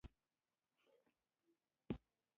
المکتوم نړیوال هوايي ډګر